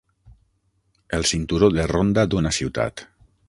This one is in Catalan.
El cinturó de ronda d'una ciutat.